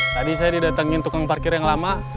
tadi saya didatengin tukang parkir yang lama